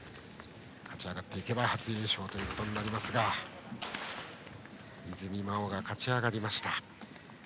勝ち上がっていけば初優勝となりますが泉真生が、勝ち上がりました。